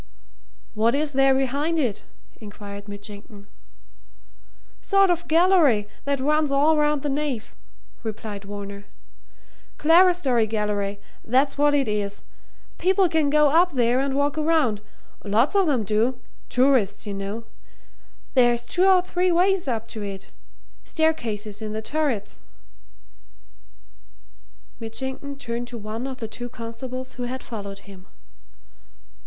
"What is there behind it?" inquired Mitchington. "Sort of gallery, that runs all round the nave," replied Varner. "Clerestory gallery that's what it is. People can go up there and walk around lots of 'em do tourists, you know. There's two or three ways up to it staircases in the turrets." Mitchington turned to one of the two constables who had followed him.